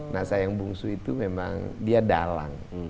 nasayang bungsu itu memang dia dalang